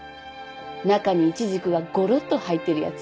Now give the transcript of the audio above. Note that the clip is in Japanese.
中にイチジクがごろっと入ってるやつ。